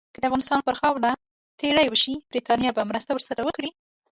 که د افغانستان پر خاوره تیری وشي، برټانیه به مرسته ورسره وکړي.